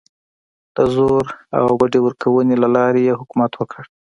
د زور او بډې ورکونې له لارې یې حکومت وکړ.